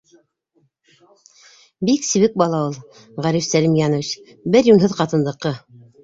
-Бик сибек бала ул, Ғариф Сәлимйәновч, бер йүнһеҙ ҡатындыҡы.